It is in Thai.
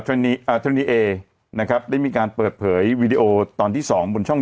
เทรนีเอนะครับได้มีการเปิดเผยวีดีโอตอนที่๒บนช่อง